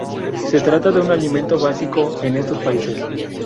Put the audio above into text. Se trata de un alimento básico en estos países.